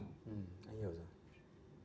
ừ anh hiểu rồi